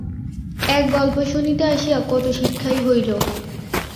এক গল্প শুনিতে আসিয়া কত শিক্ষাই হইল।